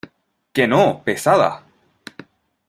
¡ que no, pesada!